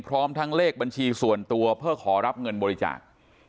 พร้อมทั้งเลขบัญชีส่วนตัวเพื่อขอรับเงินบริจาค